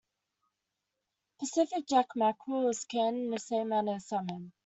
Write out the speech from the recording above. Pacific jack mackerel is canned in the same manner as salmon.